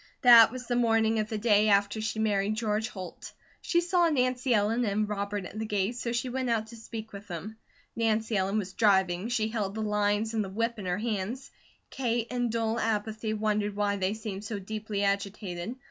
That was the morning of the day after she married George Holt. She saw Nancy Ellen and Robert at the gate so she went out to speak with them. Nancy Ellen was driving, she held the lines and the whip in her hands. Kate in dull apathy wondered why they seemed so deeply agitated.